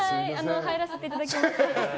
入らせていただきます。